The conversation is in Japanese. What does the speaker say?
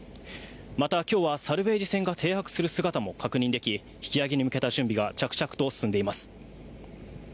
また、今日はサルベージ船が停泊する姿も確認でき引き揚げに向けた準備が着々と進んでいます。